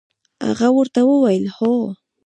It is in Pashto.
هغه ورته وویل: هو.